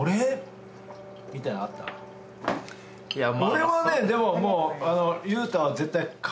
俺はねでももう。